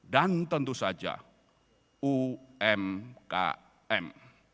dan tentu saja umkm